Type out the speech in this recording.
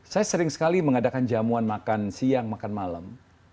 saya sering sekali mengadakan jamuan makan siang makan malam